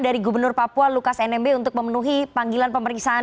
dari gubernur papua lukas nmb untuk memenuhi panggilan pemeriksaan